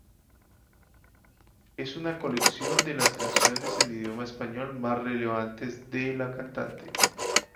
Es una colección de las canciones en idioma español más relevantes de la cantante.